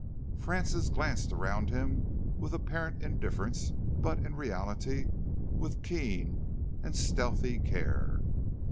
Francis glanced around him with apparent indifference but in reality with keen and stealthy care.